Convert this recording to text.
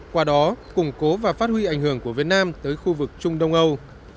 qua đó củng cố và phát huy ảnh hưởng của việt nam tới khu vực trung đông âu